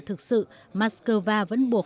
thực sự moscow vẫn buộc